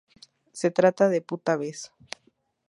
Se trata de puta vez".